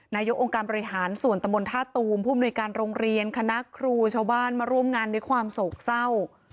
นายกองค์การบริหารส่วนตะมนต์ท่าตูมผู้มนุยการโรงเรียนคณะครูชาวบ้านมาร่วมงานด้วยความโศกเศร้า